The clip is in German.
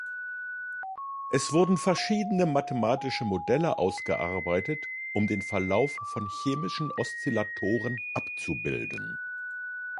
Es wurden verschiedene mathematische Modelle ausgearbeitet, um den Verlauf von chemischen Oszillatoren abzubilden.